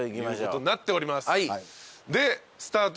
でスタート